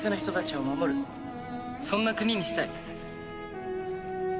そんな国にしたい。